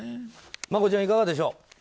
マコちゃん、いかがでしょう。